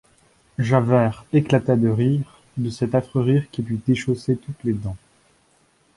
Javert éclata de rire, de cet affreux rire qui lui déchaussait toutes les dents.